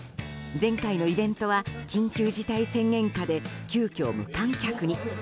前回のイベントは緊急事態宣言下で急きょ、無観客に。